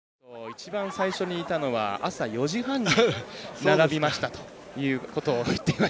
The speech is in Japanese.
一番最初にいたのは朝４時半に並びましたということを。